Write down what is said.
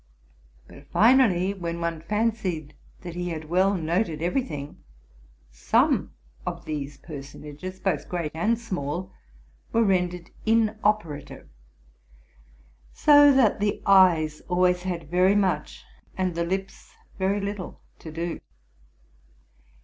But finally, when one fancied that he had well noted every thing, some of these personages, both great and small, were rendered inoperative ; so that 'the eyes s alw ays had very much, and the lips very little, to do.